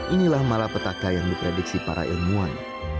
inilah malah petaka yang diprediksi para ilmuwan